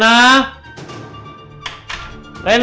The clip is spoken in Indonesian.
mau dari gang